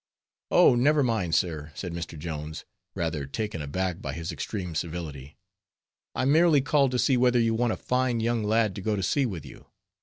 "Oh! never mind, sir," said Mr. Jones, rather taken aback by his extreme civility. "I merely called to see whether you want a fine young lad to go to sea with you.